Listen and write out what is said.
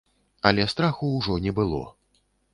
Але страху ўжо не было.